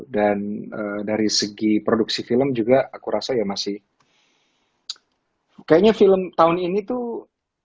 dan dari segi produksi film juga aku rasa ya masih kayaknya film tahun ini tuh